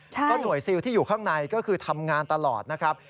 ก็หน่วยซิลที่อยู่ข้างในก็คือทำงานตลอดนะครับ